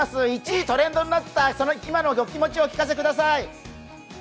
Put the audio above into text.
１位トレンドになった、今のお気持ちをお聞かせください。